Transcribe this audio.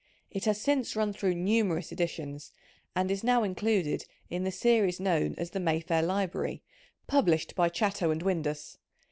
It has since run through numerous editions, and is now included in the series known as The Mayfair Library, published by Chatto and Windus.